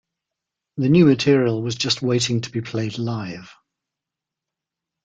The new material was just waiting to be played live.